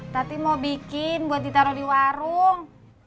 tadi mau bikin buat ditaro di warung